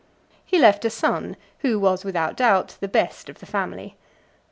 III. He left a son, who was, without doubt, the best of the family.